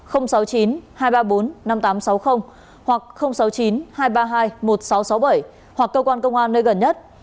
hoặc sáu mươi chín hai trăm ba mươi hai một nghìn sáu trăm sáu mươi bảy hoặc cơ quan công an nơi gần nhất